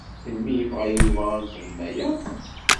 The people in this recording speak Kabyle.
Melmi i yebɣa Yuba ad nexdem aya?